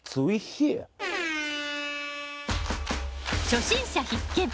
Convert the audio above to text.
初心者必見！